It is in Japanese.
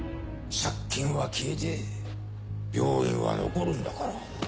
借金は消えて病院は残るんだから。